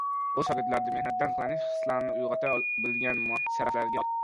O‘z shogirdlarida mehnatdan zavqlanish xislatlarini uyg‘ota bilgan muallim sharaflarga loyiq.